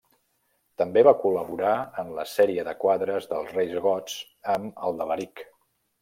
També va col·laborar en la sèrie de quadres dels reis gots amb el d'Alaric.